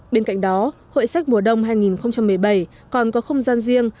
bên cạnh đó hội sách mùa đông hai nghìn một mươi bảy còn có không gian riêng